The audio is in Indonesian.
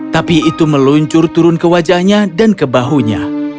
tapi itu meluncur turun ke wajahnya dan ke bahunya